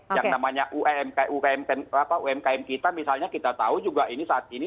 yang namanya umkm kita misalnya kita tahu juga ini saat ini